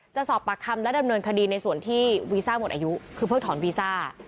จะสอบปากคำและดำเนินคดีในส่วนที่วีซ่าหมดอายุคือเพิ่งถอนวีซ่า